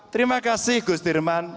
terima kasih gus dirman